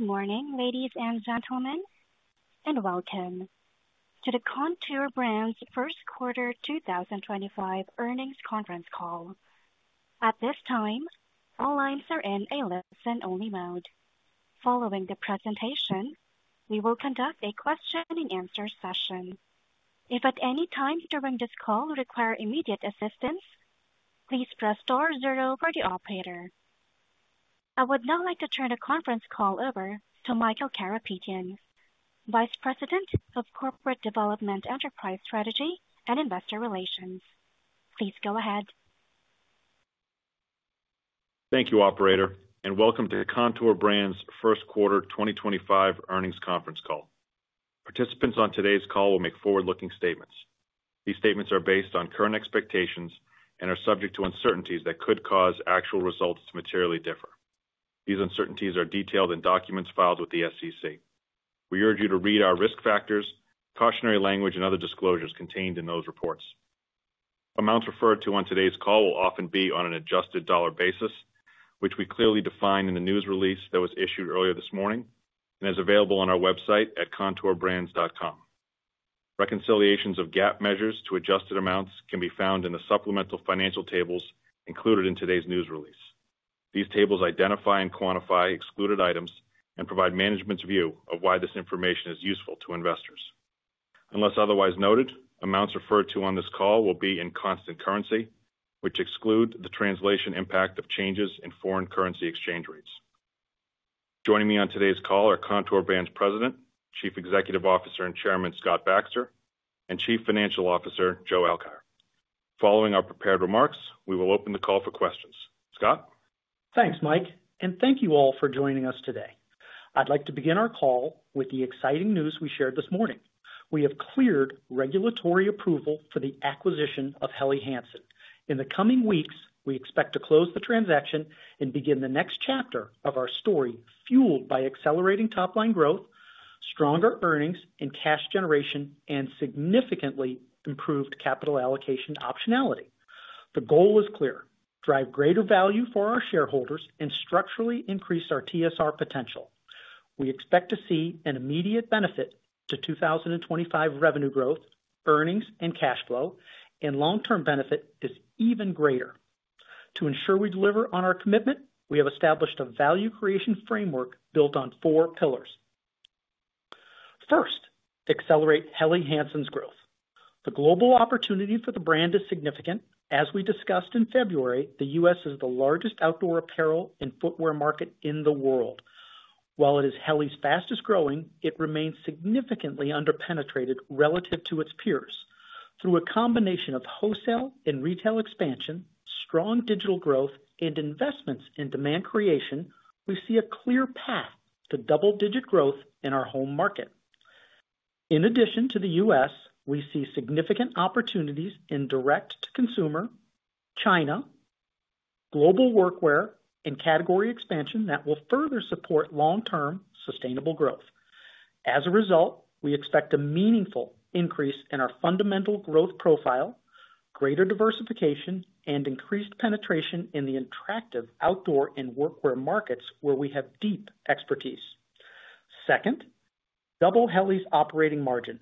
Good morning, ladies and gentlemen, and welcome to the Kontoor Brands First Quarter 2025 earnings conference call. At this time, all lines are in a listen-only mode. Following the presentation, we will conduct a question-and-answer session. If at any time during this call you require immediate assistance, please press star zero for the operator. I would now like to turn the conference call over to Michael Karapetian, Vice President of Corporate Development, Enterprise Strategy, and Investor Relations. Please go ahead. Thank you, Operator, and welcome to the Kontoor Brands First Quarter 2025 earnings conference call. Participants on today's call will make forward-looking statements. These statements are based on current expectations and are subject to uncertainties that could cause actual results to materially differ. These uncertainties are detailed in documents filed with the SEC. We urge you to read our risk factors, cautionary language, and other disclosures contained in those reports. Amounts referred to on today's call will often be on an adjusted dollar basis, which we clearly defined in the news release that was issued earlier this morning and is available on our website at kontoorbrands.com. Reconciliations of GAAP measures to adjusted amounts can be found in the supplemental financial tables included in today's news release. These tables identify and quantify excluded items and provide management's view of why this information is useful to investors. Unless otherwise noted, amounts referred to on this call will be in constant currency, which exclude the translation impact of changes in foreign currency exchange rates. Joining me on today's call are Kontoor Brands President, Chief Executive Officer and Chairman Scott Baxter, and Chief Financial Officer Joe Alkire. Following our prepared remarks, we will open the call for questions. Scott? Thanks, Mike, and thank you all for joining us today. I'd like to begin our call with the exciting news we shared this morning. We have cleared regulatory approval for the acquisition of Helly Hansen. In the coming weeks, we expect to close the transaction and begin the next chapter of our story fueled by accelerating top-line growth, stronger earnings, and cash generation, and significantly improved capital allocation optionality. The goal is clear: drive greater value for our shareholders and structurally increase our TSR potential. We expect to see an immediate benefit to 2025 revenue growth, earnings, and cash flow, and long-term benefit is even greater. To ensure we deliver on our commitment, we have established a value creation framework built on four pillars. First, accelerate Helly Hansen's growth. The global opportunity for the brand is significant. As we discussed in February, the U.S. is the largest outdoor apparel and footwear market in the world. While it is Helly's fastest growing, it remains significantly underpenetrated relative to its peers. Through a combination of wholesale and retail expansion, strong digital growth, and investments in demand creation, we see a clear path to double-digit growth in our home market. In addition to the U.S., we see significant opportunities in direct-to-consumer, China, global workwear, and category expansion that will further support long-term sustainable growth. As a result, we expect a meaningful increase in our fundamental growth profile, greater diversification, and increased penetration in the attractive outdoor and workwear markets where we have deep expertise. Second, double Helly's operating margin.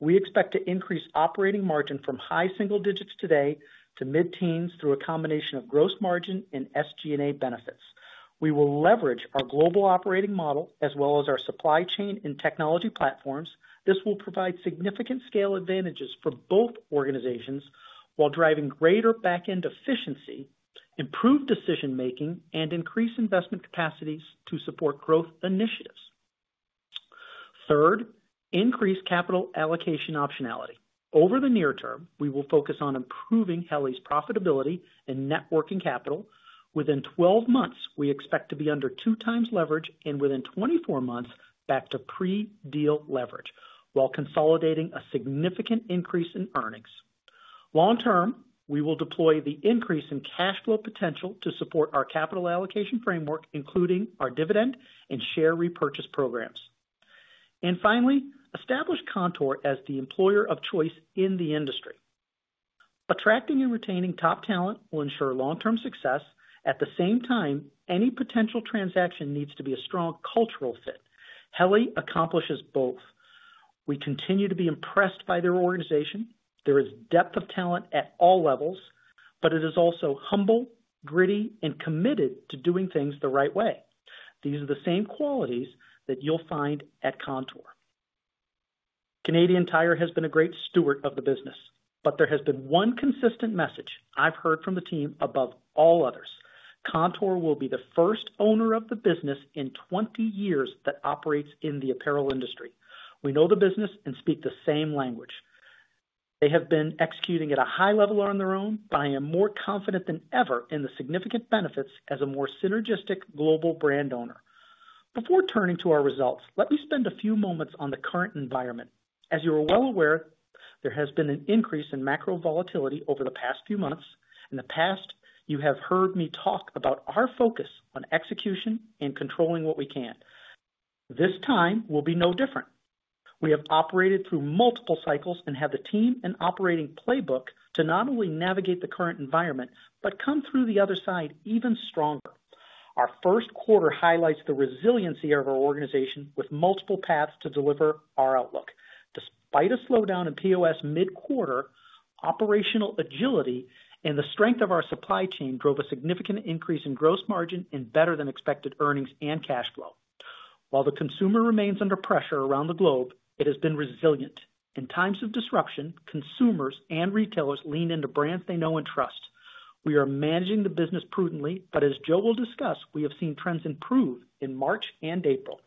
We expect to increase operating margin from high single digits today to mid-teens through a combination of gross margin and SG&A benefits. We will leverage our global operating model as well as our supply chain and technology platforms. This will provide significant scale advantages for both organizations while driving greater back-end efficiency, improved decision-making, and increased investment capacities to support growth initiatives. Third, increased capital allocation optionality. Over the near term, we will focus on improving Helly's profitability and networking capital. Within 12 months, we expect to be under two times leverage, and within 24 months, back to pre-deal leverage, while consolidating a significant increase in earnings. Long-term, we will deploy the increase in cash flow potential to support our capital allocation framework, including our dividend and share repurchase programs. Finally, establish Kontoor as the employer of choice in the industry. Attracting and retaining top talent will ensure long-term success. At the same time, any potential transaction needs to be a strong cultural fit. Helly accomplishes both. We continue to be impressed by their organization. There is depth of talent at all levels, but it is also humble, gritty, and committed to doing things the right way. These are the same qualities that you'll find at Kontoor. Canadian Tire has been a great steward of the business, but there has been one consistent message I've heard from the team above all others: Kontoor will be the first owner of the business in 20 years that operates in the apparel industry. We know the business and speak the same language. They have been executing at a high level on their own, but I am more confident than ever in the significant benefits as a more synergistic global brand owner. Before turning to our results, let me spend a few moments on the current environment. As you are well aware, there has been an increase in macro volatility over the past few months. In the past, you have heard me talk about our focus on execution and controlling what we can. This time will be no different. We have operated through multiple cycles and have the team and operating playbook to not only navigate the current environment but come through the other side even stronger. Our first quarter highlights the resiliency of our organization with multiple paths to deliver our outlook. Despite a slowdown in POS mid-quarter, operational agility and the strength of our supply chain drove a significant increase in gross margin and better-than-expected earnings and cash flow. While the consumer remains under pressure around the globe, it has been resilient. In times of disruption, consumers and retailers lean into brands they know and trust. We are managing the business prudently, but as Joe will discuss, we have seen trends improve in March and April.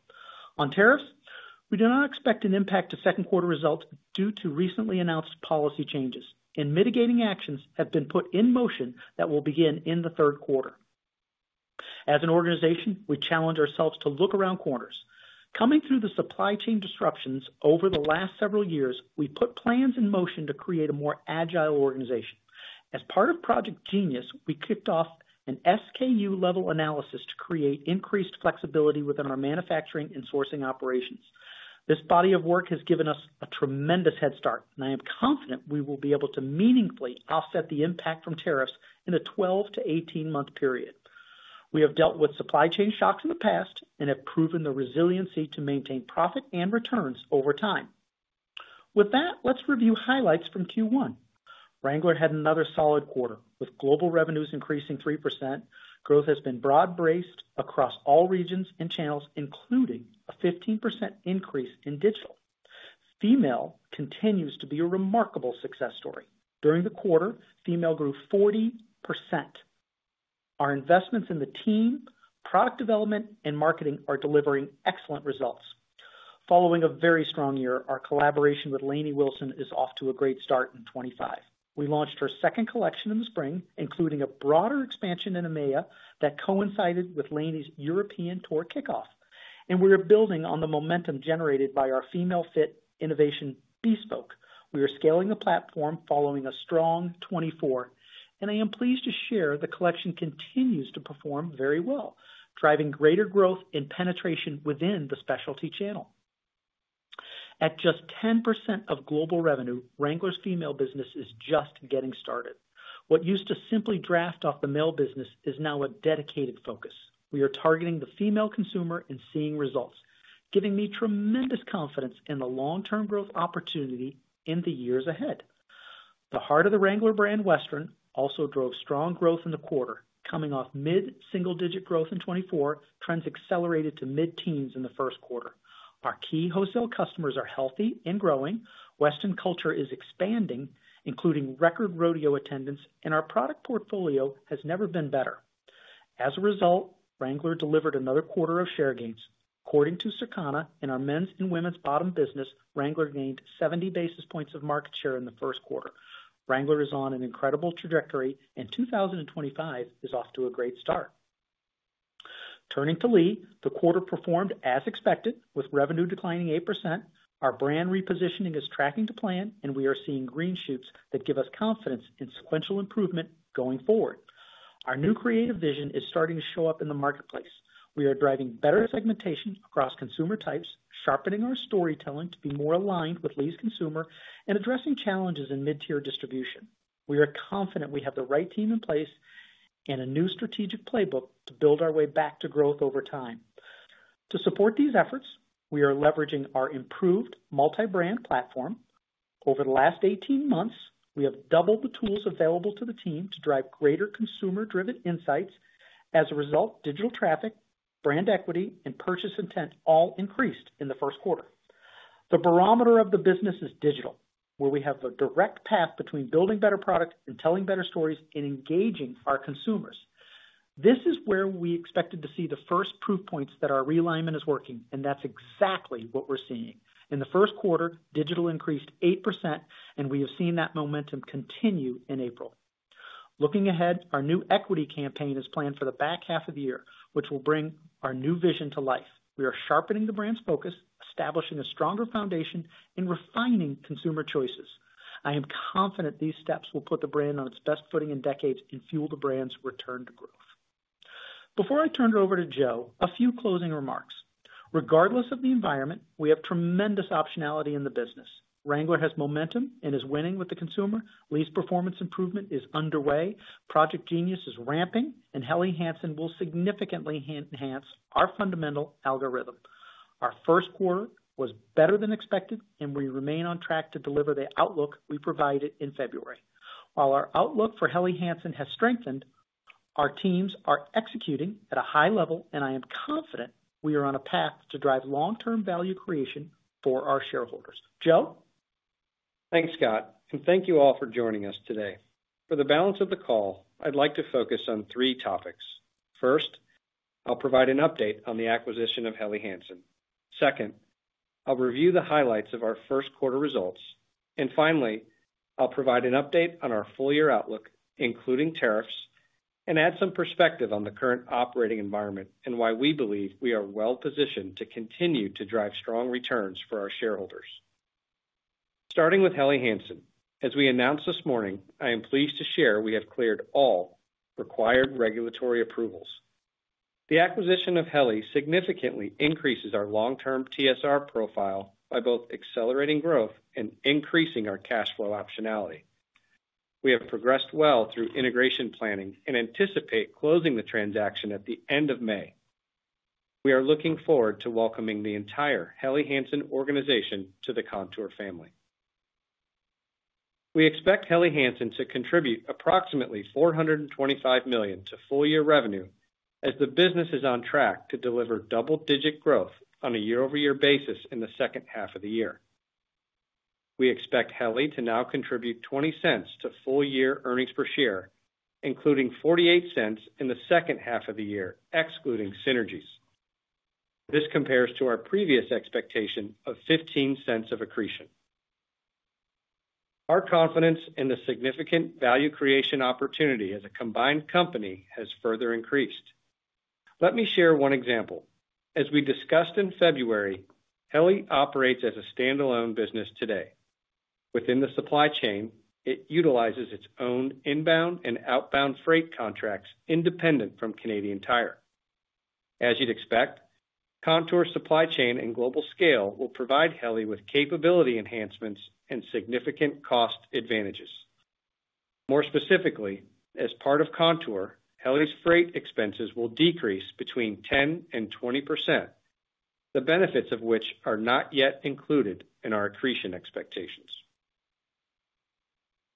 On tariffs, we do not expect an impact to second-quarter results due to recently announced policy changes, and mitigating actions have been put in motion that will begin in the third quarter. As an organization, we challenge ourselves to look around corners. Coming through the supply chain disruptions over the last several years, we put plans in motion to create a more agile organization. As part of Project Genius, we kicked off an SKU-level analysis to create increased flexibility within our manufacturing and sourcing operations. This body of work has given us a tremendous head start, and I am confident we will be able to meaningfully offset the impact from tariffs in a 12-month to 18-month period. We have dealt with supply chain shocks in the past and have proven the resiliency to maintain profit and returns over time. With that, let's review highlights from Q1. Wrangler had another solid quarter with global revenues increasing 3%. Growth has been broad-based across all regions and channels, including a 15% increase in digital. Female continues to be a remarkable success story. During the quarter, female grew 40%. Our investments in the team, product development, and marketing are delivering excellent results. Following a very strong year, our collaboration with Lainey Wilson is off to a great start in 2025. We launched her second collection in the spring, including a broader expansion in EMEA that coincided with Lainey's European tour kickoff. We are building on the momentum generated by our female fit innovation Bespoke. We are scaling the platform following a strong 2024, and I am pleased to share the collection continues to perform very well, driving greater growth and penetration within the specialty channel. At just 10% of global revenue, Wrangler's female business is just getting started. What used to simply draft off the mail business is now a dedicated focus. We are targeting the female consumer and seeing results, giving me tremendous confidence in the long-term growth opportunity in the years ahead. The heart of the Wrangler brand, Western, also drove strong growth in the quarter. Coming off mid-single-digit growth in 2024, trends accelerated to mid-teens in the first quarter. Our key wholesale customers are healthy and growing. Western culture is expanding, including record rodeo attendance, and our product portfolio has never been better. As a result, Wrangler delivered another quarter of share gains. According to Circana, in our men's and women's bottom business, Wrangler gained 70 basis points of market share in the first quarter. Wrangler is on an incredible trajectory, and 2025 is off to a great start. Turning to Lee, the quarter performed as expected, with revenue declining 8%. Our brand repositioning is tracking to plan, and we are seeing green shoots that give us confidence in sequential improvement going forward. Our new creative vision is starting to show up in the marketplace. We are driving better segmentation across consumer types, sharpening our storytelling to be more aligned with Lee's consumer, and addressing challenges in mid-tier distribution. We are confident we have the right team in place and a new strategic playbook to build our way back to growth over time. To support these efforts, we are leveraging our improved multi-brand platform. Over the last 18 months, we have doubled the tools available to the team to drive greater consumer-driven insights. As a result, digital traffic, brand equity, and purchase intent all increased in the first quarter. The barometer of the business is digital, where we have a direct path between building better product and telling better stories and engaging our consumers. This is where we expected to see the first proof points that our realignment is working, and that is exactly what we are seeing. In the first quarter, digital increased 8%, and we have seen that momentum continue in April. Looking ahead, our new equity campaign is planned for the back half of the year, which will bring our new vision to life. We are sharpening the brand's focus, establishing a stronger foundation, and refining consumer choices. I am confident these steps will put the brand on its best footing in decades and fuel the brand's return to growth. Before I turn it over to Joe, a few closing remarks. Regardless of the environment, we have tremendous optionality in the business. Wrangler has momentum and is winning with the consumer. Lee's performance improvement is underway. Project Genius is ramping, and Helly Hansen will significantly enhance our fundamental algorithm. Our first quarter was better than expected, and we remain on track to deliver the outlook we provided in February. While our outlook for Helly Hansen has strengthened, our teams are executing at a high level, and I am confident we are on a path to drive long-term value creation for our shareholders. Joe? Thanks, Scott, and thank you all for joining us today. For the balance of the call, I'd like to focus on three topics. First, I'll provide an update on the acquisition of Helly Hansen. Second, I'll review the highlights of our first quarter results. Finally, I'll provide an update on our full-year outlook, including tariffs, and add some perspective on the current operating environment and why we believe we are well-positioned to continue to drive strong returns for our shareholders. Starting with Helly Hansen, as we announced this morning, I am pleased to share we have cleared all required regulatory approvals. The acquisition of Helly significantly increases our long-term TSR profile by both accelerating growth and increasing our cash flow optionality. We have progressed well through integration planning and anticipate closing the transaction at the end of May. We are looking forward to welcoming the entire Helly Hansen organization to the Kontoor family. We expect Helly Hansen to contribute approximately $425 million to full-year revenue as the business is on track to deliver double-digit growth on a year-over-year basis in the second half of the year. We expect Helly to now contribute $0.20 to full-year earnings per share, including $0.48 in the second half of the year, excluding synergies. This compares to our previous expectation of $0.15 of accretion. Our confidence in the significant value creation opportunity as a combined company has further increased. Let me share one example. As we discussed in February, Helly operates as a standalone business today. Within the supply chain, it utilizes its own inbound and outbound freight contracts independent from Canadian Tire. As you'd expect, Kontoor's supply chain and global scale will provide Helly with capability enhancements and significant cost advantages. More specifically, as part of Kontoor, Helly's freight expenses will decrease between 10% and 20%, the benefits of which are not yet included in our accretion expectations.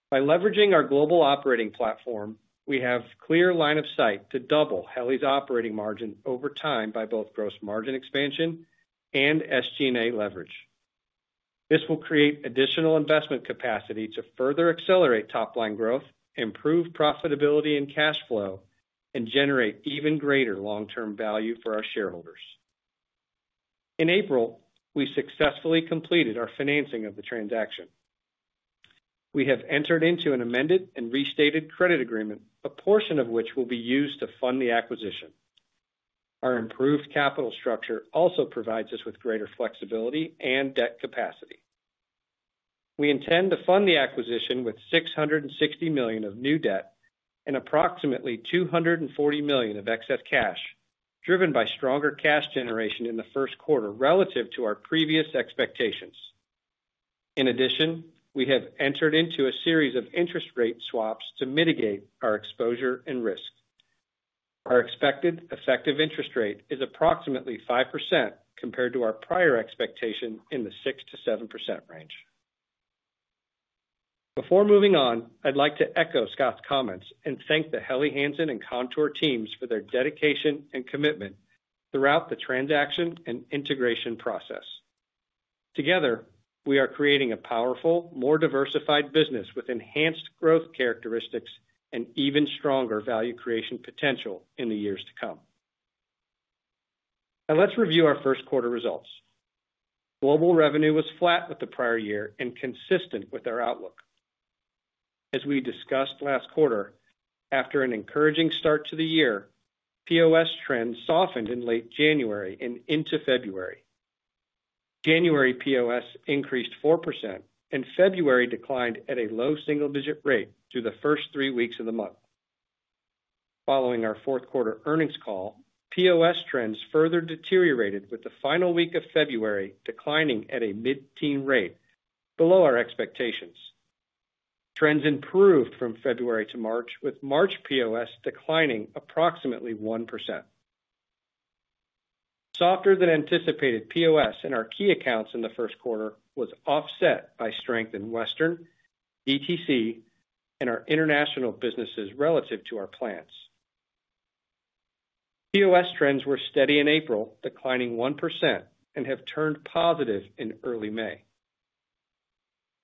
By leveraging our global operating platform, we have a clear line of sight to double Helly's operating margin over time by both gross margin expansion and SG&A leverage. This will create additional investment capacity to further accelerate top-line growth, improve profitability and cash flow, and generate even greater long-term value for our shareholders. In April, we successfully completed our financing of the transaction. We have entered into an amended and restated credit agreement, a portion of which will be used to fund the acquisition. Our improved capital structure also provides us with greater flexibility and debt capacity. We intend to fund the acquisition with $660 million of new debt and approximately $240 million of excess cash, driven by stronger cash generation in the first quarter relative to our previous expectations. In addition, we have entered into a series of interest rate swaps to mitigate our exposure and risk. Our expected effective interest rate is approximately 5% compared to our prior expectation in the 6-7% range. Before moving on, I'd like to echo Scott's comments and thank the Helly Hansen and Kontoor teams for their dedication and commitment throughout the transaction and integration process. Together, we are creating a powerful, more diversified business with enhanced growth characteristics and even stronger value creation potential in the years to come. Now, let's review our first quarter results. Global revenue was flat with the prior year and consistent with our outlook. As we discussed last quarter, after an encouraging start to the year, POS trends softened in late January and into February. January POS increased 4%, and February declined at a low single-digit rate through the first three weeks of the month. Following our fourth quarter earnings call, POS trends further deteriorated with the final week of February declining at a mid-teen rate, below our expectations. Trends improved from February to March, with March POS declining approximately 1%. Softer than anticipated POS in our key accounts in the first quarter was offset by strength in Western, DTC, and our international businesses relative to our plans. POS trends were steady in April, declining 1%, and have turned positive in early May.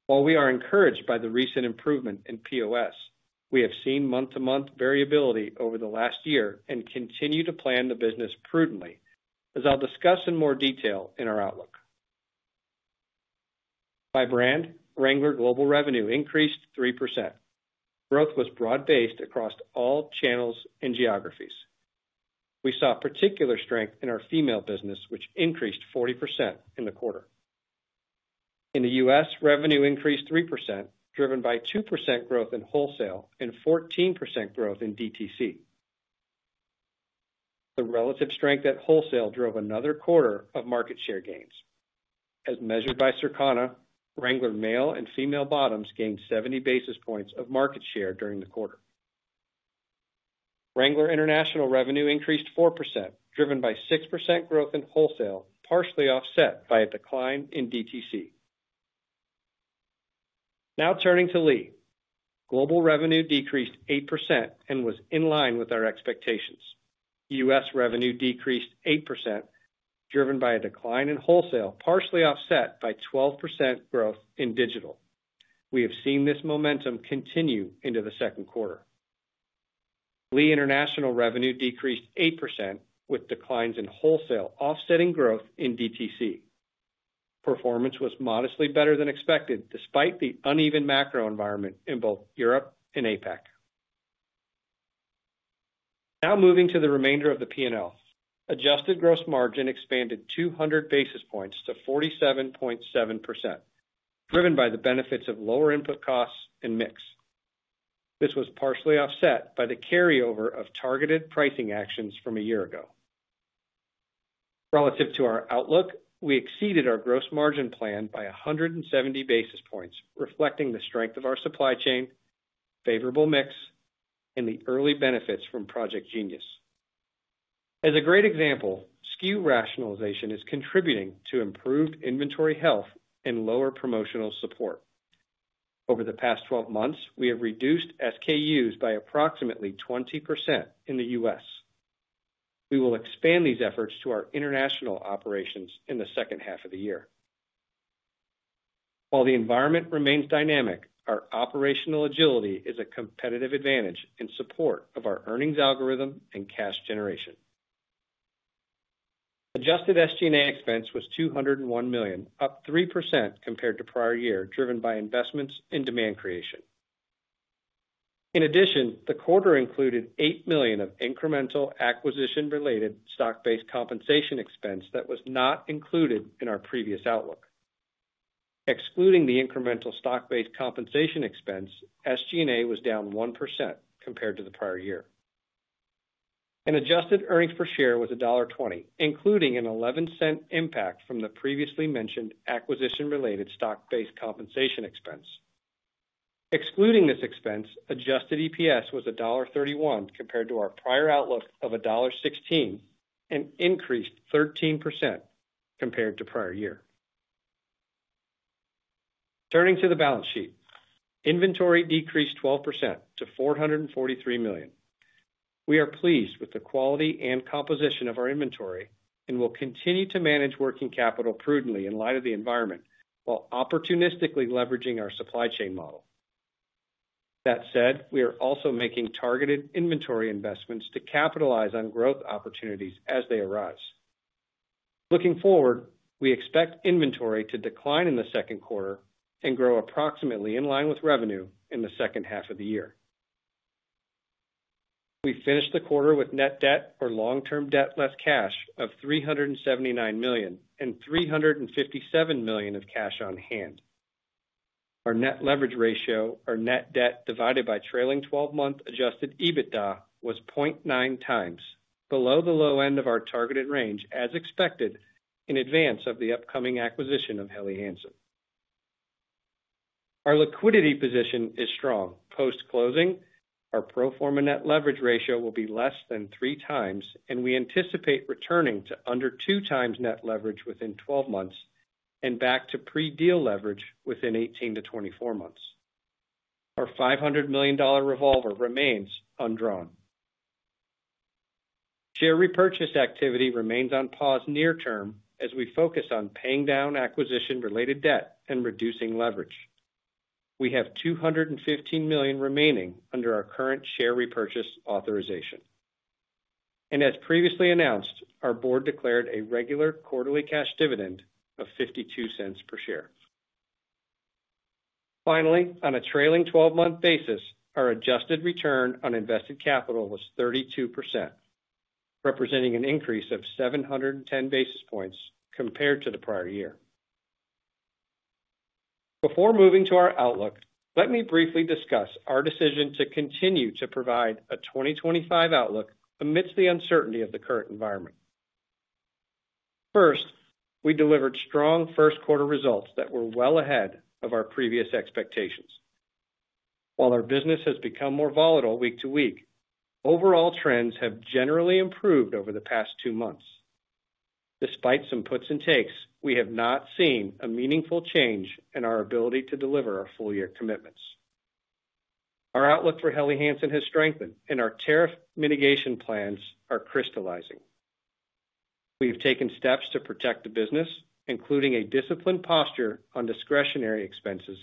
While we are encouraged by the recent improvement in POS, we have seen month-to-month variability over the last year and continue to plan the business prudently, as I'll discuss in more detail in our outlook. By brand, Wrangler global revenue increased 3%. Growth was broad-based across all channels and geographies. We saw particular strength in our female business, which increased 40% in the quarter. In the U.S., revenue increased 3%, driven by 2% growth in wholesale and 14% growth in DTC. The relative strength at wholesale drove another quarter of market share gains. As measured by Circana, Wrangler male and female bottoms gained 70 basis points of market share during the quarter. Wrangler international revenue increased 4%, driven by 6% growth in wholesale, partially offset by a decline in DTC. Now turning to Lee, global revenue decreased 8% and was in line with our expectations. U.S. revenue decreased 8%, driven by a decline in wholesale, partially offset by 12% growth in digital. We have seen this momentum continue into the second quarter. Lee International revenue decreased 8%, with declines in wholesale offsetting growth in DTC. Performance was modestly better than expected despite the uneven macro environment in both Europe and APAC. Now moving to the remainder of the P&L. Adjusted gross margin expanded 200 basis points to 47.7%, driven by the benefits of lower input costs and mix. This was partially offset by the carryover of targeted pricing actions from a year ago. Relative to our outlook, we exceeded our gross margin plan by 170 basis points, reflecting the strength of our supply chain, favorable mix, and the early benefits from Project Genius. As a great example, SKU rationalization is contributing to improved inventory health and lower promotional support. Over the past 12 months, we have reduced SKUs by approximately 20% in the U.S. We will expand these efforts to our international operations in the second half of the year. While the environment remains dynamic, our operational agility is a competitive advantage in support of our earnings algorithm and cash generation. Adjusted SG&A expense was $201 million, up 3% compared to prior year, driven by investments and demand creation. In addition, the quarter included $8 million of incremental acquisition-related stock-based compensation expense that was not included in our previous outlook. Excluding the incremental stock-based compensation expense, SG&A was down 1% compared to the prior year. An adjusted earnings per share was $1.20, including an $0.11 impact from the previously mentioned acquisition-related stock-based compensation expense. Excluding this expense, adjusted EPS was $1.31 compared to our prior outlook of $1.16 and increased 13% compared to prior year. Turning to the balance sheet, inventory decreased 12% to $443 million. We are pleased with the quality and composition of our inventory and will continue to manage working capital prudently in light of the environment while opportunistically leveraging our supply chain model. That said, we are also making targeted inventory investments to capitalize on growth opportunities as they arise. Looking forward, we expect inventory to decline in the second quarter and grow approximately in line with revenue in the second half of the year. We finished the quarter with net debt or long-term debt less cash of $379 million and $357 million of cash on hand. Our net leverage ratio, our net debt divided by trailing 12-month adjusted EBITDA, was 0.9 times, below the low end of our targeted range, as expected in advance of the upcoming acquisition of Helly Hansen. Our liquidity position is strong. Post-closing, our pro forma net leverage ratio will be less than three times, and we anticipate returning to under two times net leverage within 12 months and back to pre-deal leverage within 18-24 months. Our $500 million revolver remains undrawn. Share repurchase activity remains on pause near-term as we focus on paying down acquisition-related debt and reducing leverage. We have $215 million remaining under our current share repurchase authorization. As previously announced, our board declared a regular quarterly cash dividend of $0.52 per share. Finally, on a trailing 12-month basis, our adjusted return on invested capital was 32%, representing an increase of 710 basis points compared to the prior year. Before moving to our outlook, let me briefly discuss our decision to continue to provide a 2025 outlook amidst the uncertainty of the current environment. First, we delivered strong first quarter results that were well ahead of our previous expectations. While our business has become more volatile week to week, overall trends have generally improved over the past two months. Despite some puts and takes, we have not seen a meaningful change in our ability to deliver our full-year commitments. Our outlook for Helly Hansen has strengthened, and our tariff mitigation plans are crystallizing. We have taken steps to protect the business, including a disciplined posture on discretionary expenses,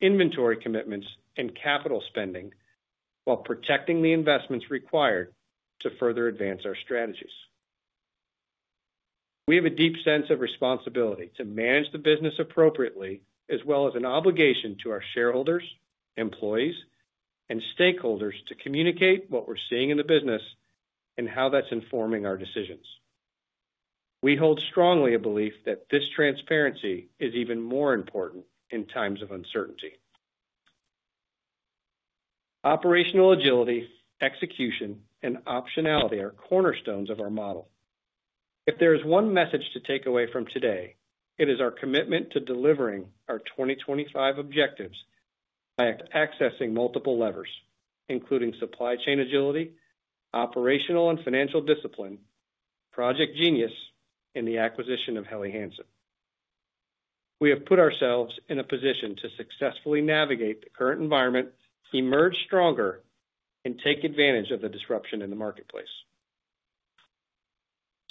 inventory commitments, and capital spending, while protecting the investments required to further advance our strategies. We have a deep sense of responsibility to manage the business appropriately, as well as an obligation to our shareholders, employees, and stakeholders to communicate what we're seeing in the business and how that's informing our decisions. We hold strongly a belief that this transparency is even more important in times of uncertainty. Operational agility, execution, and optionality are cornerstones of our model. If there is one message to take away from today, it is our commitment to delivering our 2025 objectives by accessing multiple levers, including supply chain agility, operational and financial discipline, Project Genius, and the acquisition of Helly Hansen. We have put ourselves in a position to successfully navigate the current environment, emerge stronger, and take advantage of the disruption in the marketplace.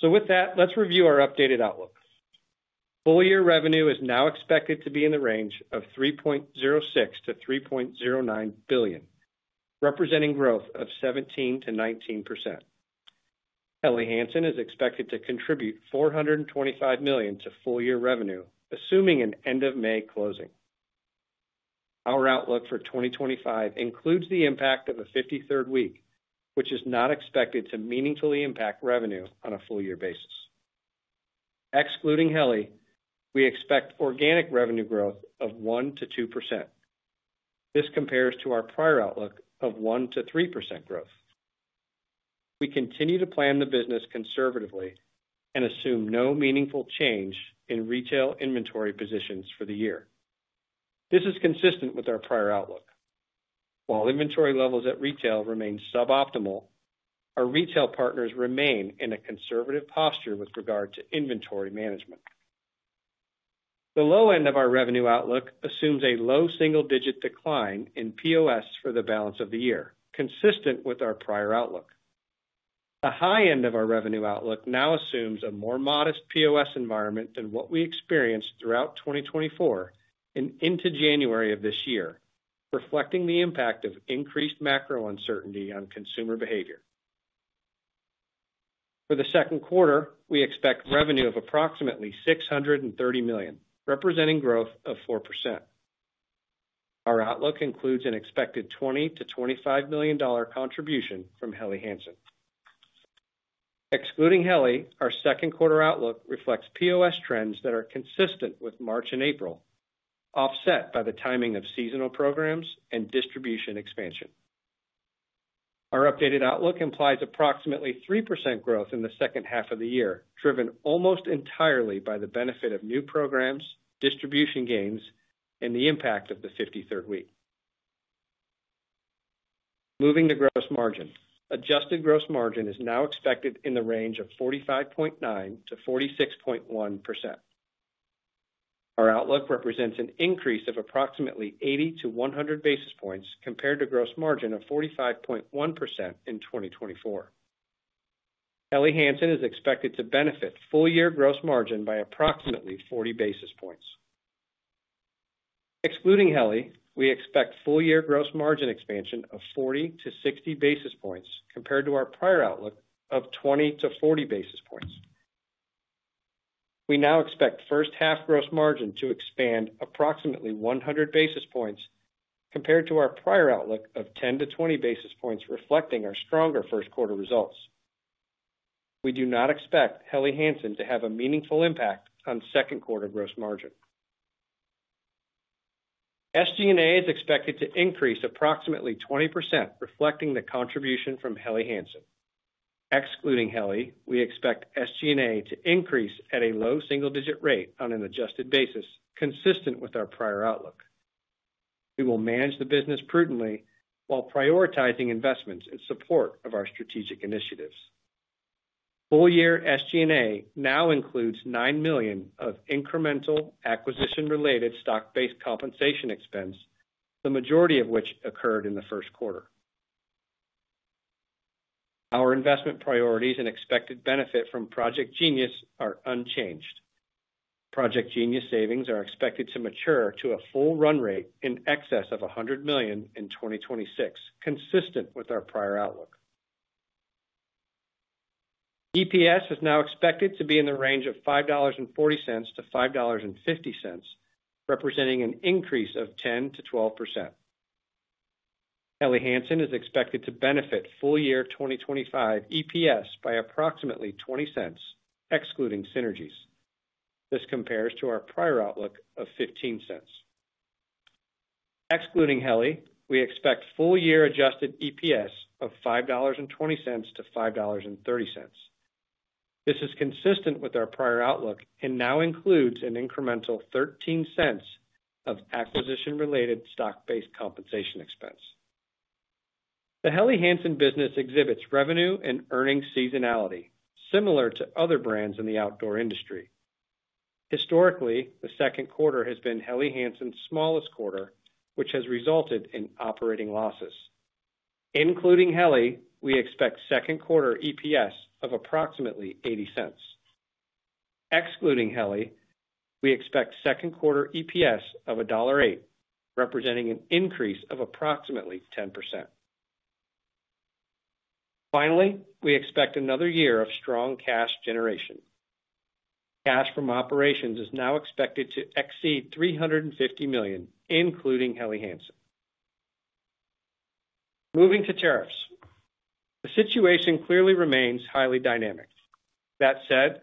With that, let's review our updated outlook. Full-year revenue is now expected to be in the range of $3.06 billion-$3.09 billion, representing growth of 17%-19%. Helly Hansen is expected to contribute $425 million to full-year revenue, assuming an end-of-May closing. Our outlook for 2025 includes the impact of a 53rd week, which is not expected to meaningfully impact revenue on a full-year basis. Excluding Helly, we expect organic revenue growth of 1-2%. This compares to our prior outlook of 1-3% growth. We continue to plan the business conservatively and assume no meaningful change in retail inventory positions for the year. This is consistent with our prior outlook. While inventory levels at retail remain suboptimal, our retail partners remain in a conservative posture with regard to inventory management. The low end of our revenue outlook assumes a low single-digit decline in POS for the balance of the year, consistent with our prior outlook. The high end of our revenue outlook now assumes a more modest POS environment than what we experienced throughout 2024 and into January of this year, reflecting the impact of increased macro uncertainty on consumer behavior. For the second quarter, we expect revenue of approximately $630 million, representing growth of 4%. Our outlook includes an expected $20-$25 million contribution from Helly Hansen. Excluding Helly, our second quarter outlook reflects POS trends that are consistent with March and April, offset by the timing of seasonal programs and distribution expansion. Our updated outlook implies approximately 3% growth in the second half of the year, driven almost entirely by the benefit of new programs, distribution gains, and the impact of the 53rd week. Moving to gross margin, adjusted gross margin is now expected in the range of 45.9%-46.1%. Our outlook represents an increase of approximately 80-100 basis points compared to gross margin of 45.1% in 2024. Helly Hansen is expected to benefit full-year gross margin by approximately 40 basis points. Excluding Helly, we expect full-year gross margin expansion of 40-60 basis points compared to our prior outlook of 20-40 basis points. We now expect first-half gross margin to expand approximately 100 basis points compared to our prior outlook of 10-20 basis points, reflecting our stronger first quarter results. We do not expect Helly Hansen to have a meaningful impact on second quarter gross margin. SG&A is expected to increase approximately 20%, reflecting the contribution from Helly Hansen. Excluding Helly, we expect SG&A to increase at a low single-digit rate on an adjusted basis, consistent with our prior outlook. We will manage the business prudently while prioritizing investments in support of our strategic initiatives. Full-year SG&A now includes $9 million of incremental acquisition-related stock-based compensation expense, the majority of which occurred in the first quarter. Our investment priorities and expected benefit from Project Genius are unchanged. Project Genius savings are expected to mature to a full run rate in excess of $100 million in 2026, consistent with our prior outlook. EPS is now expected to be in the range of $5.40-$5.50, representing an increase of 10%-12%. Helly Hansen is expected to benefit full-year 2025 EPS by approximately $0.20, excluding synergies. This compares to our prior outlook of $0.15. Excluding Helly, we expect full-year adjusted EPS of $5.20-$5.30. This is consistent with our prior outlook and now includes an incremental $0.13 of acquisition-related stock-based compensation expense. The Helly Hansen business exhibits revenue and earnings seasonality, similar to other brands in the outdoor industry. Historically, the second quarter has been Helly Hansen's smallest quarter, which has resulted in operating losses. Including Helly, we expect second quarter EPS of approximately $0.80. Excluding Helly, we expect second quarter EPS of $1.08, representing an increase of approximately 10%. Finally, we expect another year of strong cash generation. Cash from operations is now expected to exceed $350 million, including Helly Hansen. Moving to tariffs. The situation clearly remains highly dynamic. That said,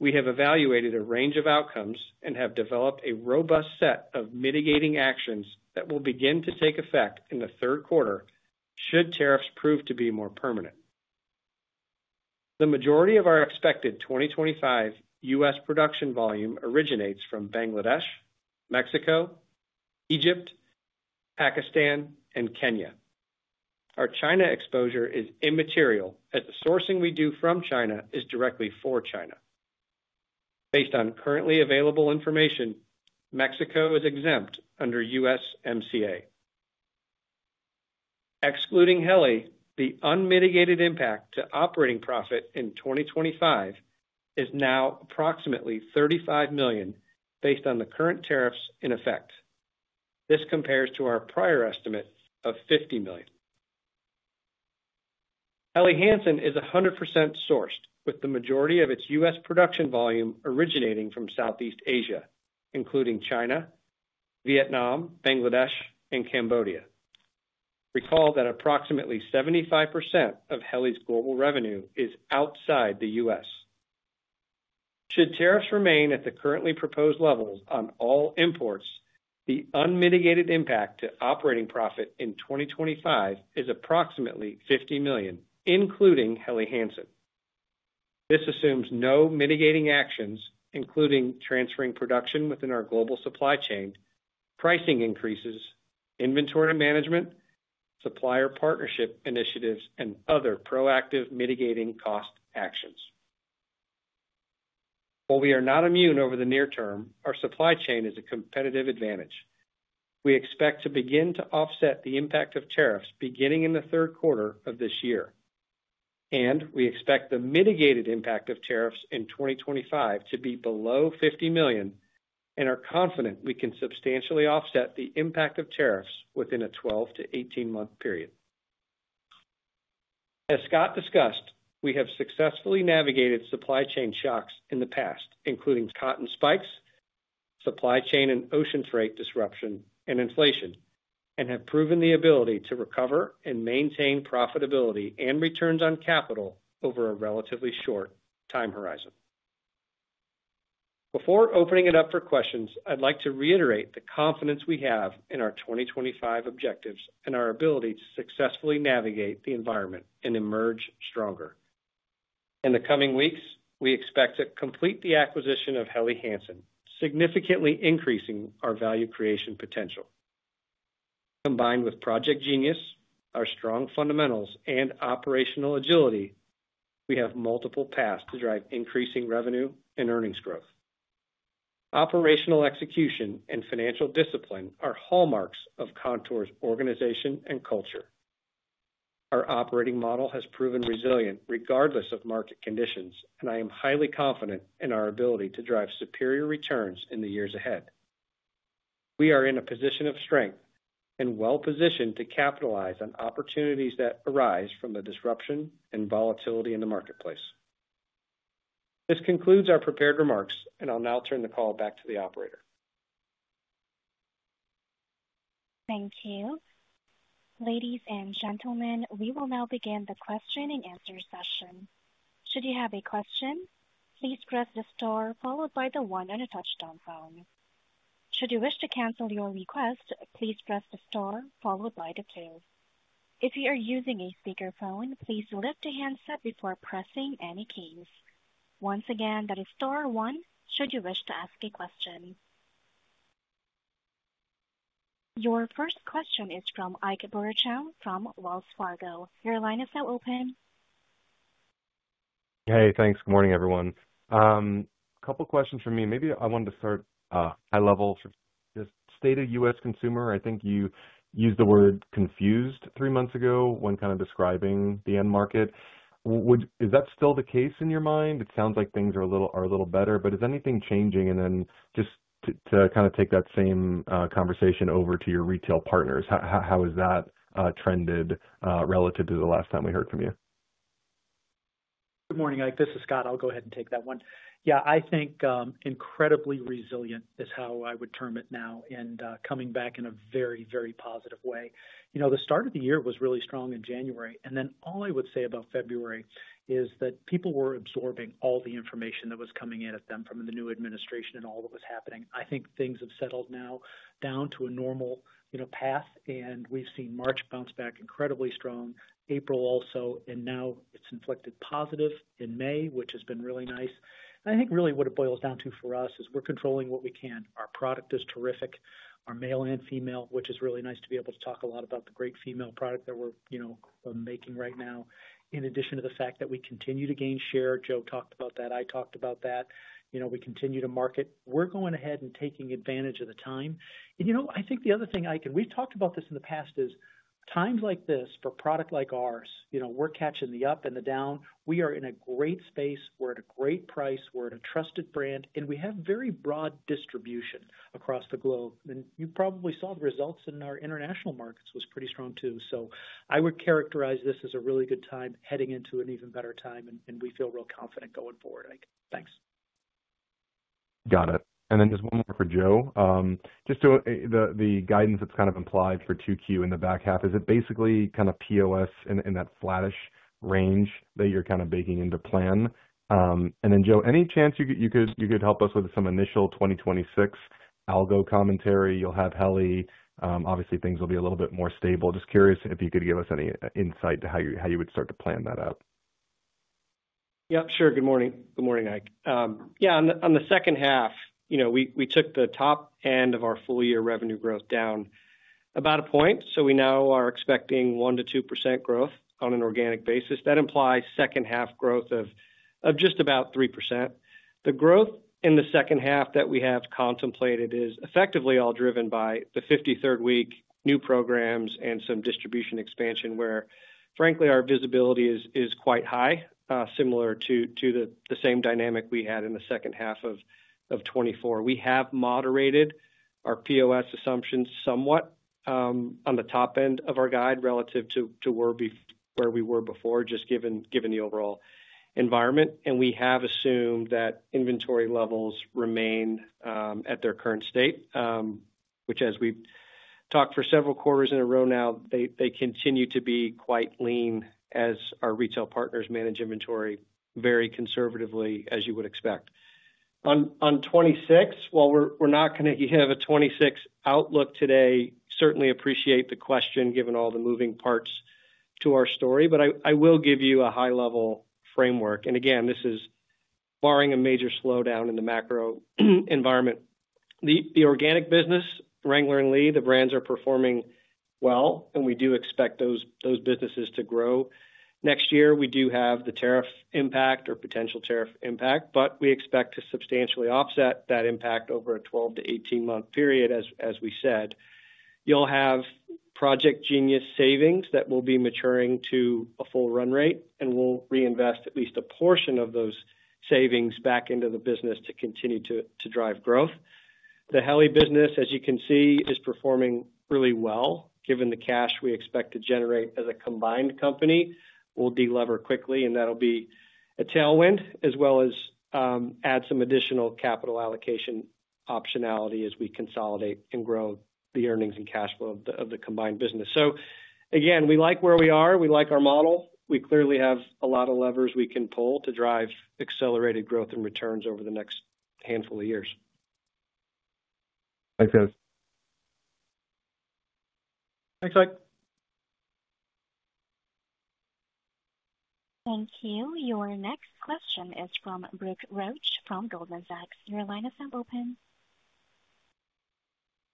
we have evaluated a range of outcomes and have developed a robust set of mitigating actions that will begin to take effect in the third quarter should tariffs prove to be more permanent. The majority of our expected 2025 U.S. production volume originates from Bangladesh, Mexico, Egypt, Pakistan, and Kenya. Our China exposure is immaterial as the sourcing we do from China is directly for China. Based on currently available information, Mexico is exempt under USMCA. Excluding Helly, the unmitigated impact to operating profit in 2025 is now approximately $35 million based on the current tariffs in effect. This compares to our prior estimate of $50 million. Helly Hansen is 100% sourced, with the majority of its U.S. production volume originating from Southeast Asia, including China, Vietnam, Bangladesh, and Cambodia. Recall that approximately 75% of Helly's global revenue is outside the U.S. Should tariffs remain at the currently proposed levels on all imports, the unmitigated impact to operating profit in 2025 is approximately $50 million, including Helly Hansen. This assumes no mitigating actions, including transferring production within our global supply chain, pricing increases, inventory management, supplier partnership initiatives, and other proactive mitigating cost actions. While we are not immune over the near term, our supply chain is a competitive advantage. We expect to begin to offset the impact of tariffs beginning in the third quarter of this year. We expect the mitigated impact of tariffs in 2025 to be below $50 million, and are confident we can substantially offset the impact of tariffs within a 12-month to 18-month period. As Scott discussed, we have successfully navigated supply chain shocks in the past, including cotton spikes, supply chain and ocean freight disruption, and inflation, and have proven the ability to recover and maintain profitability and returns on capital over a relatively short time horizon. Before opening it up for questions, I'd like to reiterate the confidence we have in our 2025 objectives and our ability to successfully navigate the environment and emerge stronger. In the coming weeks, we expect to complete the acquisition of Helly Hansen, significantly increasing our value creation potential. Combined with Project Genius, our strong fundamentals, and operational agility, we have multiple paths to drive increasing revenue and earnings growth. Operational execution and financial discipline are hallmarks of Kontoor's organization and culture. Our operating model has proven resilient regardless of market conditions, and I am highly confident in our ability to drive superior returns in the years ahead. We are in a position of strength and well-positioned to capitalize on opportunities that arise from the disruption and volatility in the marketplace. This concludes our prepared remarks, and I'll now turn the call back to the operator. Thank you. Ladies and gentlemen, we will now begin the question-and-answer session. Should you have a question, please press the star followed by the one on a touch-tone phone. Should you wish to cancel your request, please press the star followed by the two. If you are using a speakerphone, please lift the handset before pressing any keys. Once again, that is star one should you wish to ask a question. Your first question is from Ike Boruchow from Wells Fargo. Your line is now open. Hey, thanks. Good morning, everyone. A couple of questions for me. Maybe I wanted to start high level. Just state a U.S. consumer. I think you used the word confused three months ago when kind of describing the end market. Is that still the case in your mind? It sounds like things are a little better, but is anything changing? And then just to kind of take that same conversation over to your retail partners, how has that trended relative to the last time we heard from you? Good morning, Ike. This is Scott. I'll go ahead and take that one. Yeah, I think incredibly resilient is how I would term it now and coming back in a very, very positive way. You know, the start of the year was really strong in January, and then all I would say about February is that people were absorbing all the information that was coming in at them from the new administration and all that was happening. I think things have settled now down to a normal path, and we have seen March bounce back incredibly strong, April also, and now it has inflected positive in May, which has been really nice. I think really what it boils down to for us is we are controlling what we can. Our product is terrific, our male and female, which is really nice to be able to talk a lot about the great female product that we are making right now. In addition to the fact that we continue to gain share, Joe talked about that, I talked about that. You know, we continue to market. We're going ahead and taking advantage of the time. And you know, I think the other thing, Ike, and we've talked about this in the past, is times like this for a product like ours, you know, we're catching the up and the down. We are in a great space. We're at a great price. We're at a trusted brand, and we have very broad distribution across the globe. You probably saw the results in our international markets was pretty strong too. I would characterize this as a really good time heading into an even better time, and we feel real confident going forward. Thanks. Got it. And then just one more for Joe. Just the guidance that's kind of implied for 2Q in the back half, is it basically kind of POS in that flattish range that you're kind of baking into plan? And then, Joe, any chance you could help us with some initial 2026 algo commentary? You'll have Helly. Obviously, things will be a little bit more stable. Just curious if you could give us any insight to how you would start to plan that out. Yep, sure. Good morning. Good morning, Ike. Yeah, on the second half, you know, we took the top end of our full-year revenue growth down about a point, so we now are expecting 1-2% growth on an organic basis. That implies second-half growth of just about 3%. The growth in the second half that we have contemplated is effectively all driven by the 53rd week, new programs, and some distribution expansion where, frankly, our visibility is quite high, similar to the same dynamic we had in the second half of 2024. We have moderated our POS assumptions somewhat on the top end of our guide relative to where we were before, just given the overall environment. We have assumed that inventory levels remain at their current state, which, as we've talked for several quarters in a row now, they continue to be quite lean as our retail partners manage inventory very conservatively, as you would expect. On 2026, while we're not going to have a 2026 outlook today, certainly appreciate the question given all the moving parts to our story, but I will give you a high-level framework. Again, this is barring a major slowdown in the macro environment. The organic business, Wrangler and Lee, the brands are performing well, and we do expect those businesses to grow. Next year, we do have the tariff impact or potential tariff impact, but we expect to substantially offset that impact over a 12-18 month period, as we said. You'll have Project Genius savings that will be maturing to a full run rate, and we'll reinvest at least a portion of those savings back into the business to continue to drive growth. The Helly business, as you can see, is performing really well. Given the cash we expect to generate as a combined company, we'll delever quickly, and that'll be a tailwind as well as add some additional capital allocation optionality as we consolidate and grow the earnings and cash flow of the combined business. Again, we like where we are. We like our model. We clearly have a lot of levers we can pull to drive accelerated growth and returns over the next handful of years. Thanks, guys. Thanks, Ike. Thank you. Your next question is from Brooke Roach from Goldman Sachs. Your line is now open.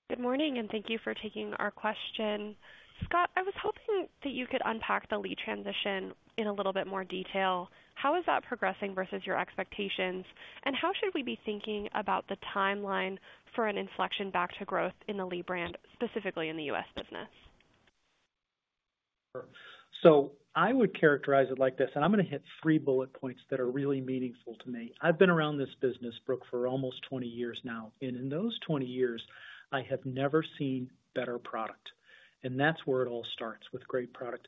Good morning, and thank you for taking our question. Scott, I was hoping that you could unpack the Lee transition in a little bit more detail. How is that progressing versus your expectations, and how should we be thinking about the timeline for an inflection back to growth in the Lee brand, specifically in the U.S. business? I would characterize it like this, and I'm going to hit three bullet points that are really meaningful to me. I've been around this business, Brooke, for almost 20 years now, and in those 20 years, I have never seen better product. That's where it all starts with great product.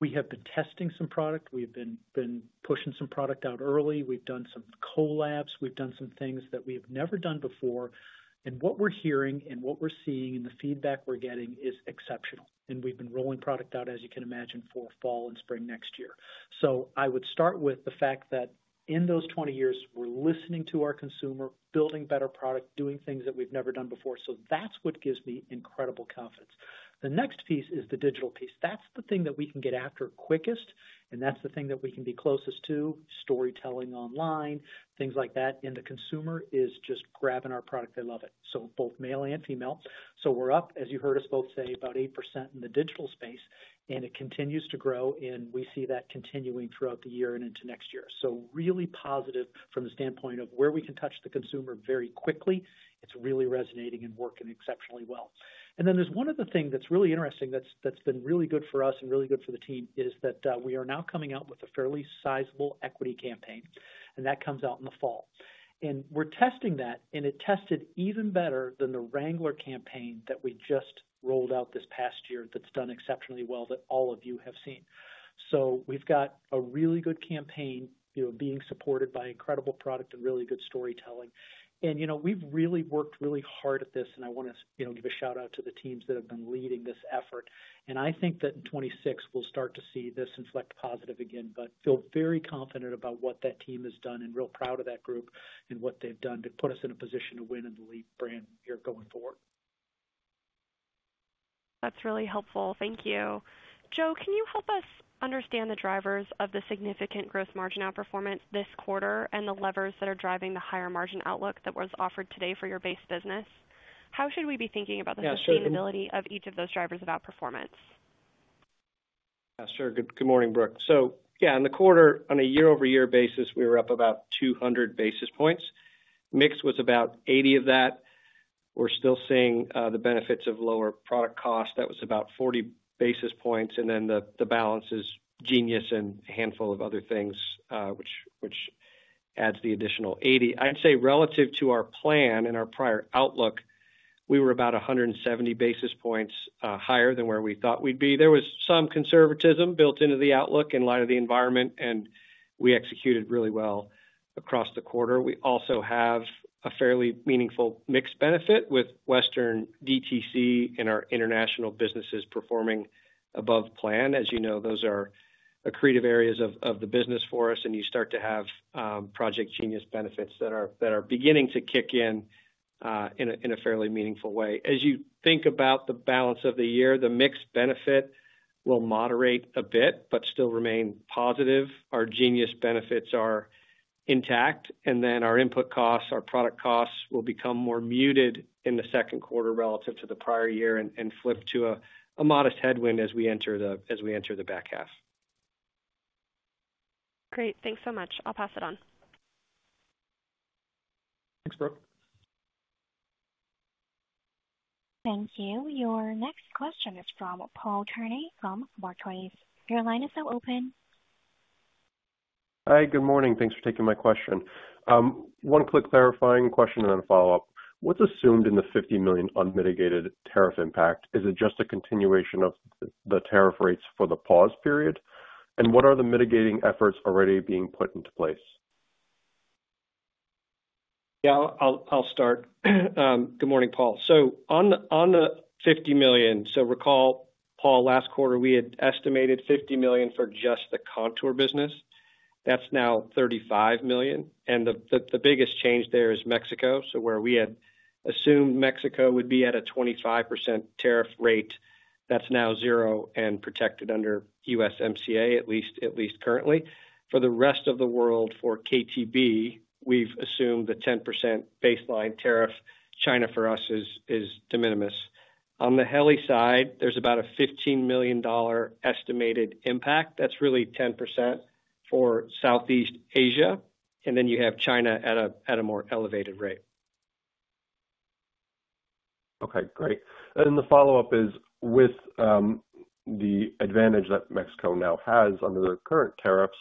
We have been testing some product. We have been pushing some product out early. We've done some collabs. We've done some things that we have never done before. What we're hearing and what we're seeing and the feedback we're getting is exceptional. We've been rolling product out, as you can imagine, for fall and spring next year. I would start with the fact that in those 20 years, we're listening to our consumer, building better product, doing things that we've never done before. That's what gives me incredible confidence. The next piece is the digital piece. That's the thing that we can get after quickest, and that's the thing that we can be closest to, storytelling online, things like that. The consumer is just grabbing our product. They love it. Both male and female. We're up, as you heard us both say, about 8% in the digital space, and it continues to grow, and we see that continuing throughout the year and into next year. Really positive from the standpoint of where we can touch the consumer very quickly. It's really resonating and working exceptionally well. There's one other thing that's really interesting that's been really good for us and really good for the team is that we are now coming out with a fairly sizable equity campaign, and that comes out in the fall. We're testing that, and it tested even better than the Wrangler campaign that we just rolled out this past year that's done exceptionally well that all of you have seen. We've got a really good campaign being supported by incredible product and really good storytelling. You know, we've really worked really hard at this, and I want to give a shout-out to the teams that have been leading this effort. I think that in 2026, we'll start to see this inflect positive again, but feel very confident about what that team has done and real proud of that group and what they've done to put us in a position to win in the Lee brand year going forward. That's really helpful. Thank you. Joe, can you help us understand the drivers of the significant gross margin outperformance this quarter and the levers that are driving the higher margin outlook that was offered today for your base business? How should we be thinking about the sustainability of each of those drivers of outperformance? Yeah, sure. Good morning, Brooke. In the quarter, on a year-over-year basis, we were up about 200 basis points. Mixed was about 80 of that. We’re still seeing the benefits of lower product cost. That was about 40 basis points. The balance is Genius and a handful of other things, which adds the additional 80. I’d say relative to our plan and our prior outlook, we were about 170 basis points higher than where we thought we’d be. There was some conservatism built into the outlook in light of the environment, and we executed really well across the quarter. We also have a fairly meaningful mixed benefit with Western DTC and our international businesses performing above plan. As you know, those are accretive areas of the business for us, and you start to have Project Genius benefits that are beginning to kick in in a fairly meaningful way. As you think about the balance of the year, the mix benefit will moderate a bit, but still remain positive. Our Genius benefits are intact. Our input costs, our product costs, will become more muted in the second quarter relative to the prior year and flip to a modest headwind as we enter the back half. Great. Thanks so much. I'll pass it on. Thanks, Brooke. Thank you. Your next question is from Paul Turney from Barclays. Your line is now open. Hi, good morning. Thanks for taking my question. One quick clarifying question and then a follow-up. What's assumed in the $50 million unmitigated tariff impact? Is it just a continuation of the tariff rates for the pause period? What are the mitigating efforts already being put into place? Yeah, I'll start. Good morning, Paul. On the $50 million, recall, Paul, last quarter we had estimated $50 million for just the Kontoor business. That is now $35 million. The biggest change there is Mexico. Where we had assumed Mexico would be at a 25% tariff rate, that is now 0% and protected under USMCA, at least currently. For the rest of the world, for KTB, we have assumed the 10% baseline tariff. China for us is de minimis. On the Helly side, there is about a $15 million estimated impact. That is really 10% for Southeast Asia, and then you have China at a more elevated rate. Okay, great. The follow-up is, with the advantage that Mexico now has under the current tariffs,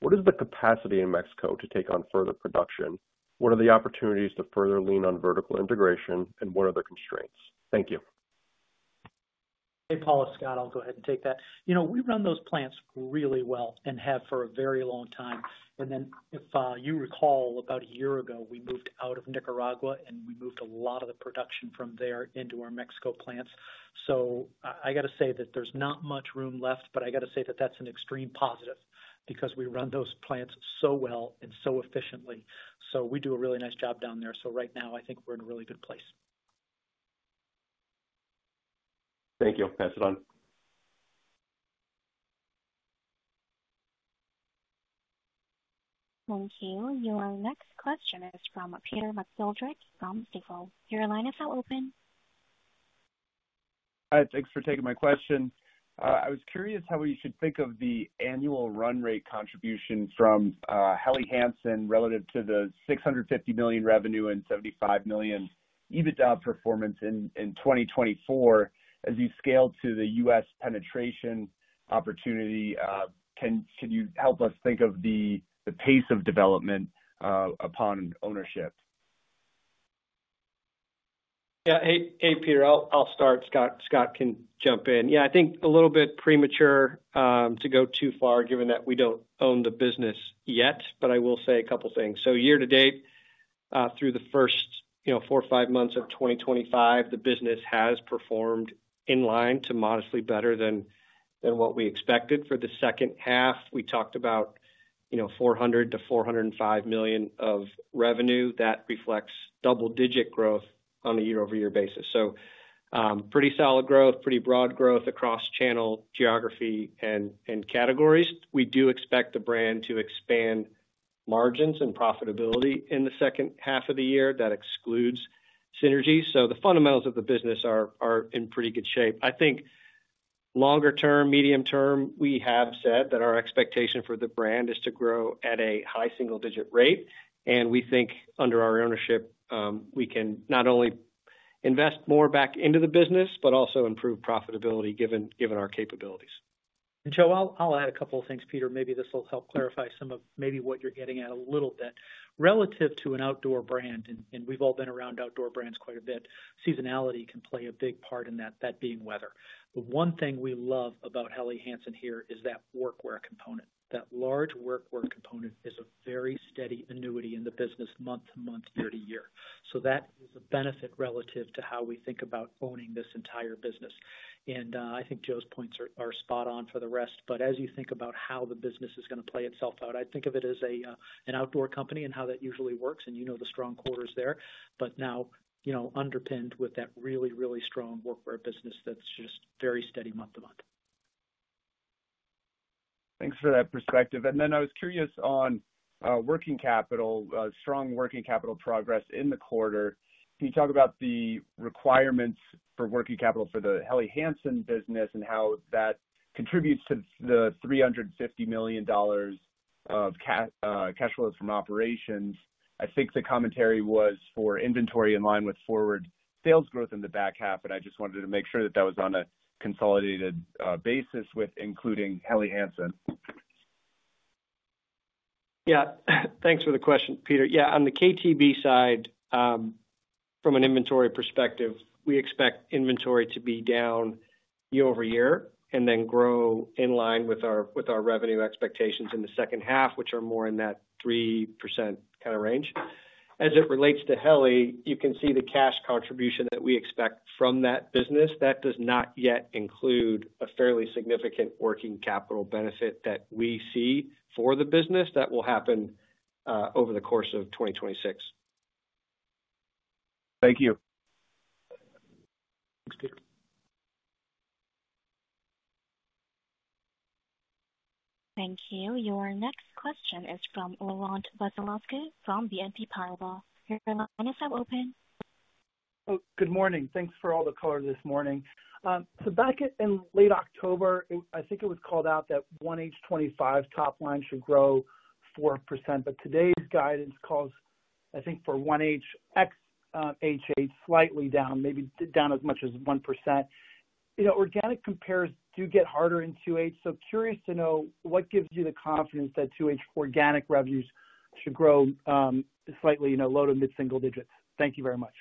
what is the capacity in Mexico to take on further production? What are the opportunities to further lean on vertical integration, and what are the constraints? Thank you. Hey, Paul, Scott, I'll go ahead and take that. You know, we run those plants really well and have for a very long time. And then if you recall, about a year ago, we moved out of Nicaragua, and we moved a lot of the production from there into our Mexico plants. I got to say that there's not much room left, but I got to say that that's an extreme positive because we run those plants so well and so efficiently. We do a really nice job down there. Right now, I think we're in a really good place. Thank you. I'll pass it on. Thank you. Your next question is from Peter McGoldrick from Stifel. Your line is now open. Hi, thanks for taking my question. I was curious how you should think of the annual run rate contribution from Helly Hansen relative to the $650 million revenue and $75 million EBITDA performance in 2024. As you scale to the U.S. penetration opportunity, can you help us think of the pace of development upon ownership? Yeah, hey, Peter, I'll start. Scott can jump in. Yeah, I think a little bit premature to go too far, given that we don't own the business yet, but I will say a couple of things. Year to date, through the first four or five months of 2025, the business has performed in line to modestly better than what we expected. For the second half, we talked about $400 million-$405 million of revenue. That reflects double-digit growth on a year-over-year basis. Pretty solid growth, pretty broad growth across channel, geography, and categories. We do expect the brand to expand margins and profitability in the second half of the year. That excludes synergies. The fundamentals of the business are in pretty good shape. I think longer-term, medium-term, we have said that our expectation for the brand is to grow at a high single-digit rate. We think under our ownership, we can not only invest more back into the business, but also improve profitability given our capabilities. Joe, I'll add a couple of things, Peter. Maybe this will help clarify some of maybe what you're getting at a little bit. Relative to an outdoor brand, and we've all been around outdoor brands quite a bit, seasonality can play a big part in that being weather. The one thing we love about Helly Hansen here is that workwear component. That large workwear component is a very steady annuity in the business month to month, year to year. That is a benefit relative to how we think about owning this entire business. I think Joe's points are spot on for the rest. As you think about how the business is going to play itself out, I think of it as an outdoor company and how that usually works. You know the strong quarters there. Now, you know, underpinned with that really, really strong workwear business that's just very steady month to month. Thanks for that perspective. I was curious on working capital, strong working capital progress in the quarter. Can you talk about the requirements for working capital for the Helly Hansen business and how that contributes to the $350 million of cash flows from operations? I think the commentary was for inventory in line with forward sales growth in the back half, but I just wanted to make sure that that was on a consolidated basis with including Helly Hansen. Yeah, thanks for the question, Peter. Yeah, on the KTB side, from an inventory perspective, we expect inventory to be down year over year and then grow in line with our revenue expectations in the second half, which are more in that 3% kind of range. As it relates to Helly, you can see the cash contribution that we expect from that business. That does not yet include a fairly significant working capital benefit that we see for the business that will happen over the course of 2026. Thank you. Thanks, Peter. Thank you. Your next question is from Laurent Vasilescu from BNP Paribas. Your line is now open. Good morning. Thanks for all the color this morning. Back in late October, I think it was called out that 1H 2025 top line should grow 4%, but today's guidance calls, I think, for 1H [XHH] slightly down, maybe down as much as 1%. Organic compares do get harder in 2H. Curious to know what gives you the confidence that 2H organic revenues should grow slightly low to mid-single digits. Thank you very much.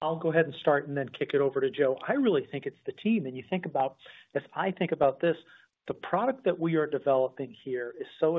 I'll go ahead and start and then kick it over to Joe. I really think it's the team. You think about, as I think about this, the product that we are developing here is so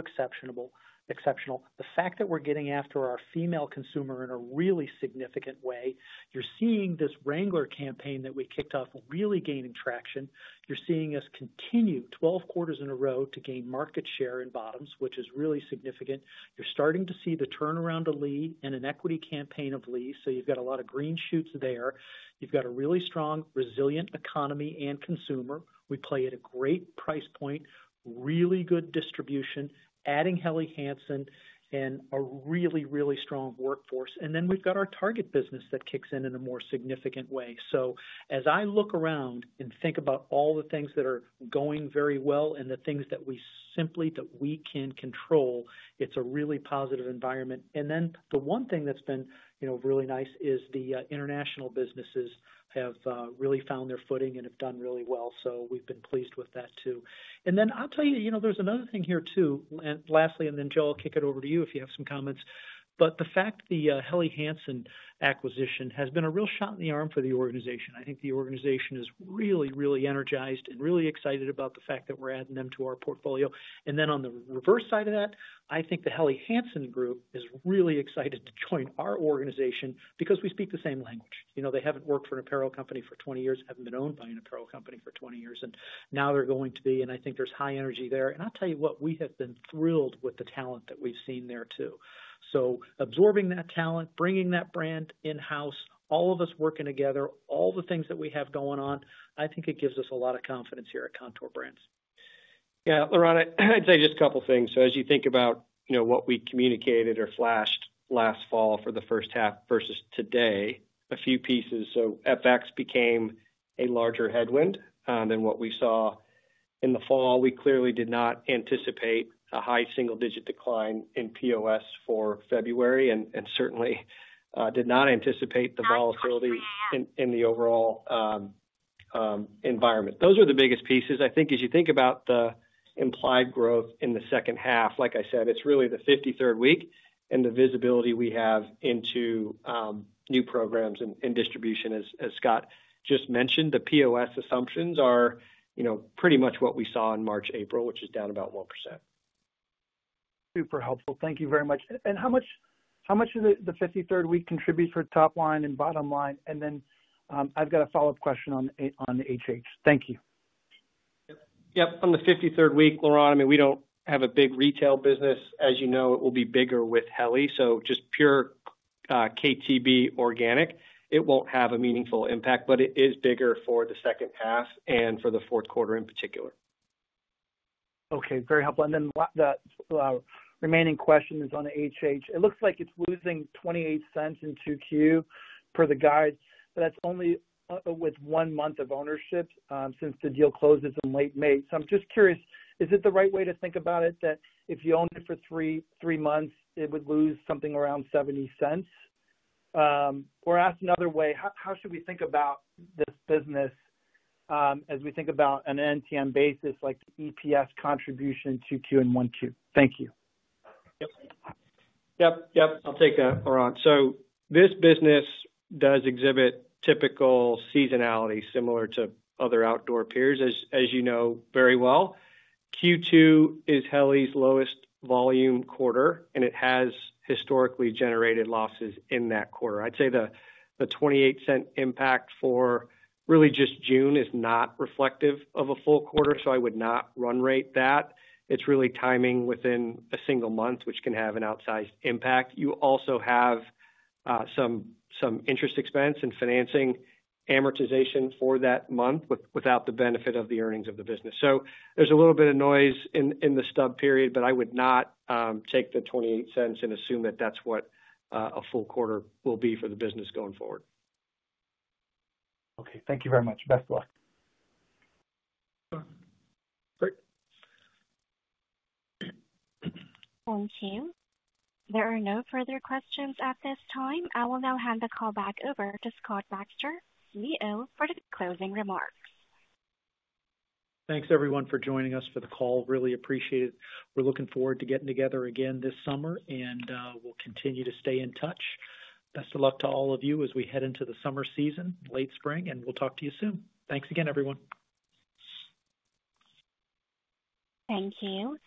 exceptional. The fact that we're getting after our female consumer in a really significant way. You're seeing this Wrangler campaign that we kicked off really gaining traction. You're seeing us continue 12 quarters in a row to gain market share in bottoms, which is really significant. You're starting to see the turnaround to Lee and an equity campaign of Lee. You have got a lot of green shoots there. You have got a really strong, resilient economy and consumer. We play at a great price point, really good distribution, adding Helly Hansen and a really, really strong workforce. We have got our target business that kicks in in a more significant way. As I look around and think about all the things that are going very well and the things that we simply that we can control, it is a really positive environment. The one thing that has been really nice is the international businesses have really found their footing and have done really well. We have been pleased with that too. I'll tell you, you know, there's another thing here too. Lastly, Joe, I'll kick it over to you if you have some comments. The fact the Helly Hansen acquisition has been a real shot in the arm for the organization. I think the organization is really, really energized and really excited about the fact that we're adding them to our portfolio. On the reverse side of that, I think the Helly Hansen group is really excited to join our organization because we speak the same language. You know, they haven't worked for an apparel company for 20 years, haven't been owned by an apparel company for 20 years, and now they're going to be. I think there's high energy there. I'll tell you what, we have been thrilled with the talent that we've seen there too. Absorbing that talent, bringing that brand in-house, all of us working together, all the things that we have going on, I think it gives us a lot of confidence here at Kontoor Brands. Yeah, Laurent, I'd say just a couple of things. As you think about, you know, what we communicated or flashed last fall for the first half versus today, a few pieces. FX became a larger headwind than what we saw in the fall. We clearly did not anticipate a high single-digit decline in POS for February and certainly did not anticipate the volatility in the overall environment. Those are the biggest pieces. I think as you think about the implied growth in the second half, like I said, it's really the 53rd week and the visibility we have into new programs and distribution. As Scott just mentioned, the POS assumptions are, you know, pretty much what we saw in March, April, which is down about 1%. Super helpful. Thank you very much. How much does the 53rd week contribute for top line and bottom line? I have a follow-up question on the HH. Thank you. Yep, on the 53rd week, Laurent, I mean, we do not have a big retail business. As you know, it will be bigger with Helly. Just pure KTB organic, it will not have a meaningful impact, but it is bigger for the second half and for the fourth quarter in particular. Okay, very helpful. The remaining question is on HH. It looks like it is losing $0.28 in 2Q per the guide, but that is only with one month of ownership since the deal closes in late May. I'm just curious, is it the right way to think about it that if you owned it for three months, it would lose something around $0.70? Or asked another way, how should we think about this business as we think about an NTM basis like EPS contribution 2Q and 1Q? Thank you. Yep, yep, yep. I'll take that, Laurent. This business does exhibit typical seasonality similar to other outdoor peers, as you know very well. Q2 is Helly's lowest volume quarter, and it has historically generated losses in that quarter. I'd say the $0.28 impact for really just June is not reflective of a full quarter, so I would not run rate that. It's really timing within a single month, which can have an outsized impact. You also have some interest expense and financing amortization for that month without the benefit of the earnings of the business. There is a little bit of noise in the stub period, but I would not take the $0.28 and assume that that is what a full quarter will be for the business going forward. Okay, thank you very much. Best of luck. Thank you. There are no further questions at this time. I will now hand the call back over to Scott Baxter, CEO, for the closing remarks. Thanks, everyone, for joining us for the call. Really appreciate it. We are looking forward to getting together again this summer, and we will continue to stay in touch. Best of luck to all of you as we head into the summer season, late spring, and we will talk to you soon. Thanks again, everyone. Thank you.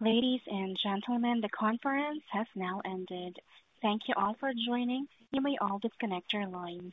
Ladies and gentlemen, the conference has now ended. Thank you all for joining. You may all disconnect your lines.